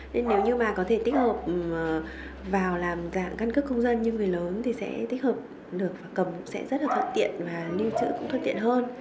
nên nếu như mà có thể tích hợp vào làm dạng căn cước công dân như người lớn thì sẽ tích hợp được và cầm sẽ rất là thuận tiện và lưu trữ cũng thuận tiện hơn